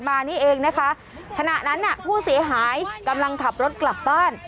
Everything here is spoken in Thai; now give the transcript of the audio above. มานี่เองนะคะขณะนั้นน่ะผู้เสียหายกำลังขับรถกลับบ้าน